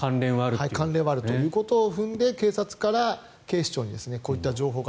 関連はあるということを踏んで警察から警視庁にこういった情報が。